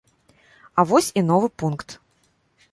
А вось і новы пункт.